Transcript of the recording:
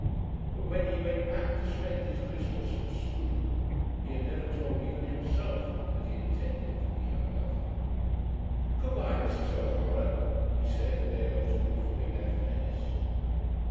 But when he went back to spend his Christmas at Scroope, he had never told even himself that he intended to be her lover. "Good bye, Mrs. O'Hara," he said, a day or two before he left Ennis.